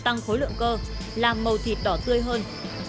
tăng khối lượng cơ làm màu thịt đỏ tươi hơn